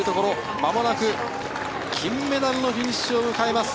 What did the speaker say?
間もなく金メダルのフィニッシュを迎えます。